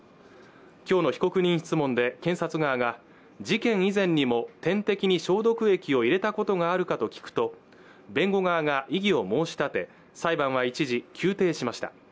今日の被告人質問で検察側が事件以前にも点滴に消毒液を入れたことがあるかと聞くと弁護側が異議を申し立て裁判は一時休廷しました